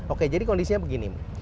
oke jadi kondisinya begini